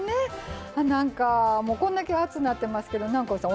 こんだけ暑なってますけど南光さん